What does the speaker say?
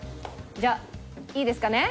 じゃあいいですかね？